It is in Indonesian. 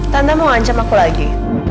tante mau ancam aku lagi